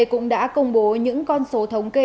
cũng đã công bố những con số thống kê